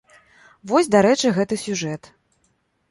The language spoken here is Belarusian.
Вось, дарэчы, гэты сюжэт.